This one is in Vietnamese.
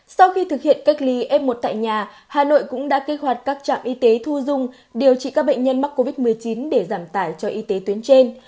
sau khi thực hiện cách ly f một tại nhà hà nội cũng đã kích hoạt các trạm y tế thu dung điều trị các bệnh nhân mắc covid một mươi chín để giảm tải cho y tế tuyến trên